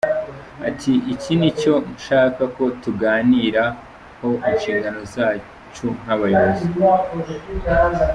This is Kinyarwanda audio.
Ati “Iki nicyo nshaka ko tuganiraho, inshingano zacu nk’abayobozi.